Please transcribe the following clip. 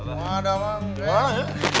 wah ada banget